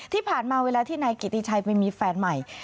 ที่ผ่านมาเวลาที่นายกิติชัยไปมีแฟนใหม่